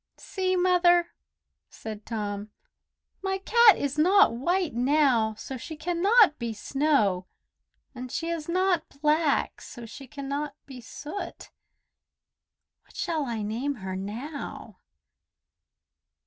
"See, Mother," said Tom. "My cat is not white now, so she cannot be Snow, and she is not black, so she cannot be Soot. What shall I name her now?"